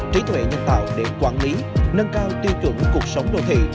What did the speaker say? trí tuệ nhân tạo để quản lý nâng cao tiêu chuẩn cuộc sống đô thị